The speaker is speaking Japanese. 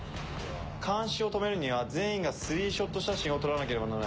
監視を止めるには全員がスリーショット写真を撮らなければならない。